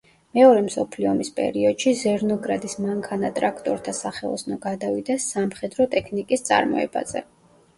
მეორე მსოფლიო ომის პერიოდში ზერნოგრადის მანქანა-ტრაქტორთა სახელოსნო გადავიდა სამხედრო ტექნიკის წარმოებაზე.